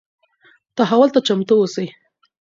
تحول ته چمتو اوسئ.